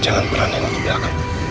jangan berani untuk belakang